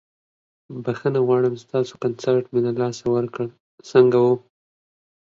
بخښنه غواړم ستاسو کنسرت مې له لاسه ورکړ، څنګه وه؟